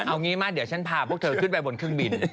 เอางี้มาเดี๋ยวฉันพาพวกเธอขึ้นไปบนเครื่องบิน